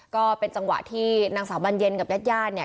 ก็เป็นจังหวะที่นางสาวบรรเย็นกับญาติญาติเนี่ย